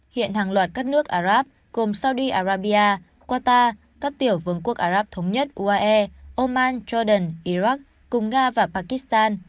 hiện hàng loạt các nước arab gồm saudi arabia qatar các tiểu vương quốc arab thống nhất uae oman jordan iraq cùng nga và pakistan